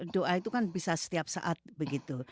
doa itu kan bisa setiap saat begitu